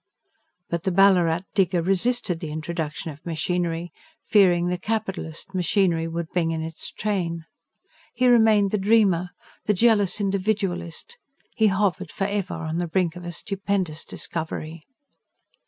But the Ballarat digger resisted the introduction of machinery, fearing the capitalist machinery would bring in its train. He remained the dreamer, the jealous individualist; he hovered for ever on the brink of a stupendous discovery.